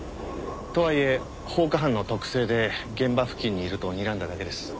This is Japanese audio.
とはいえ放火犯の特性で現場付近にいるとにらんだだけです。